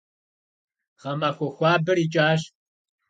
Гъэмахуэ хуабэр икӀащ.